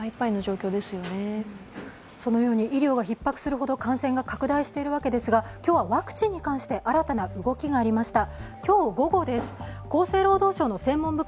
そのように医療がひっ迫するほど感染が拡大しているわけですが今日はワクチンに関して新たな動きがありました。